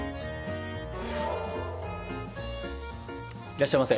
いらっしゃいませ。